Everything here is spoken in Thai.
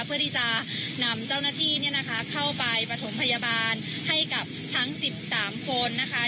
เพื่อที่จะนำเจ้าหน้าที่เนี่ยนะคะเข้าไปประถมพยาบาลให้กับทั้ง๑๓คนนะคะ